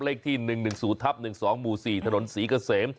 เลขที่๑๑๐ทับ๑๒หมู่๔ถนนศรีเกษม